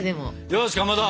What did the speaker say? よしかまど。